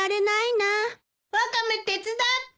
・ワカメ手伝って！